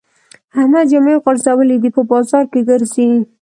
احمد جامې غورځولې دي؛ په بازار کې ګرځي.